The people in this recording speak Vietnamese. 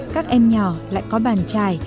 các em nhỏ lại có bàn chài